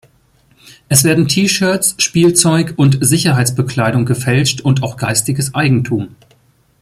Es werden T-Shirts, Spielzeug und Sicherheitsbekleidung gefälscht und auch geistiges Eigentum.